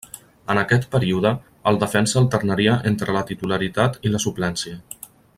En aquest període, el defensa alternaria entre la titularitat i la suplència.